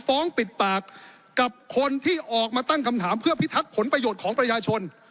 ฟ้องปิดปากกับคนที่ออกมาตั้งคำถามเพื่อพิทักษ์ผลประโยชน์ของประชาชน